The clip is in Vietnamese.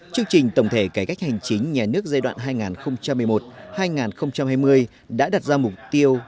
chương trình tổng thể cải cách hành chính nhà nước giai đoạn hai nghìn một mươi một hai nghìn hai mươi đã đặt ra mục tiêu